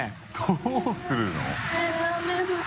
┐どうするの？